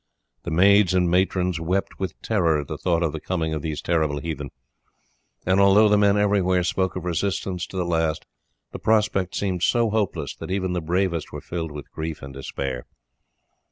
The maids and matrons wept with terror at the thought of the coming of these terrible heathen, and although the men everywhere spoke of resistance to the last, the prospect seemed so hopeless that even the bravest were filled with grief and despair.